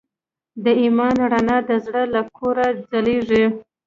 د ایمان رڼا د زړه له کوره ځلېږي.